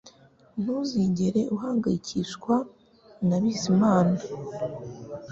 Ntuzigera uhangayikishwa na Bizimana